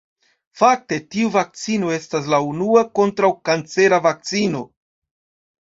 Fakte, tiu vakcino estas la unua kontraŭkancera vakcino.